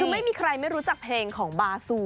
คือไม่มีใครไม่รู้จักเพลงของบาซู